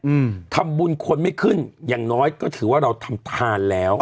อืมทำบุญคนไม่ขึ้นอย่างน้อยก็ถือว่าเราทำทานแล้ว